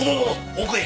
奥へ。